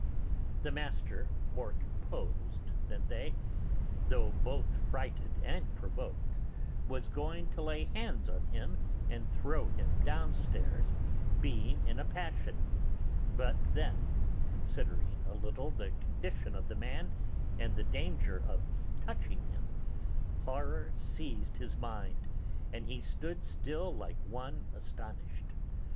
The master, more composed than they, though both frighted and provoked, was going to lay hands on him and throw him downstairs, being in a passion; but then, considering a little the condition of the man and the danger of touching him, horror seized his mind, and he stood still like one astonished.